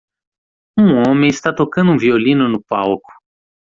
Um homem está tocando um violino no palco.